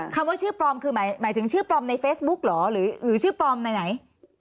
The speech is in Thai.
คำว่าชื่อปลอมคือหมายถึงชื่อปลอมในเฟซบุ๊กเหรอหรือชื่อปลอมไหน